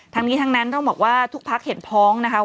ทั้งนี้ทั้งนั้นต้องบอกว่าทุกพักเห็นพ้องนะคะ